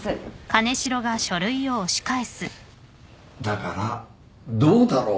だからどうだろう？